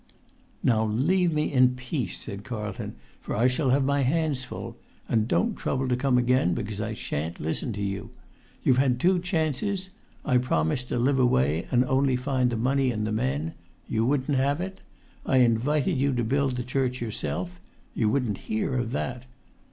"Now leave me in peace," said Carlton, "for I shall have my hands full; and don't trouble to come again, because I sha'n't listen to you. You've had two chances. I promised to live away and only find the money and the men; you wouldn't have it. I invited you to build the church yourself; you wouldn't hear of that.